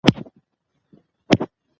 افغانستان د اقلیم په برخه کې نړیوال شهرت لري.